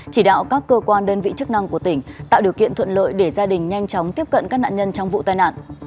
chỉ đạo các cơ quan đơn vị chức năng của tỉnh tạo điều kiện thuận lợi để gia đình nhanh chóng tiếp cận các nạn nhân trong vụ tai nạn